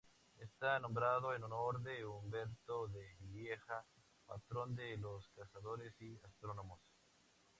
Está nombrado en honor de Huberto de Lieja, patrón de los cazadores y astrónomos.